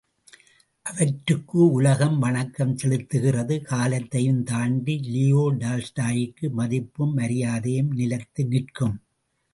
அவற்றுக்கு உலகம் வணக்கம் செலுத்துகிறது காலத்தையும் தாண்டி லியோ டால்ஸ்டாயிக்கு மதிப்பும் மரியாதையும் நிலைத்து நிற்கும்.